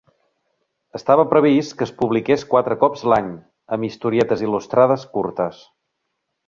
Estava previst que es publiqués quatre cops l'any, amb historietes il·lustrades curtes.